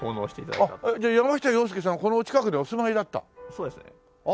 そうですね。